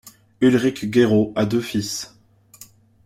Ulrike Guérot a deux fils.